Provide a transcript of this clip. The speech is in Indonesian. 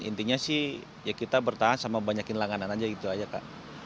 intinya sih ya kita bertahan sama banyakin langganan aja gitu aja kak